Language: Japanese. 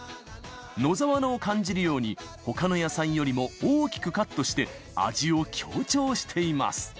野沢菜を感じるように他の野菜よりも大きくカットして味を強調しています